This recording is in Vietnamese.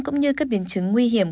cũng như các biến chứng nguy hiểm